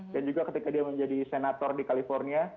dan juga ketika dia menjadi senator di california